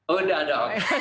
oh sudah ada